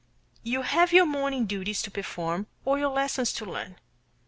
You have your morning duties to perform, or your lessons to learn.